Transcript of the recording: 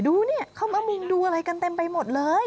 ดูเนี่ยเขามามุงดูอะไรกันเต็มไปหมดเลย